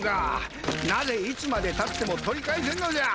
なぜいつまでたっても取り返せぬのじゃ。